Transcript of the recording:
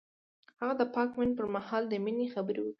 هغه د پاک مینه پر مهال د مینې خبرې وکړې.